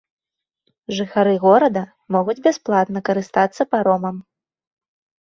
Жыхары горада могуць бясплатна карыстацца паромам.